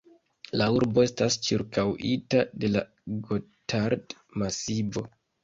La urbo estas ĉirkaŭita de la Gotard-Masivo.